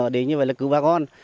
để như vậy là cứu bà con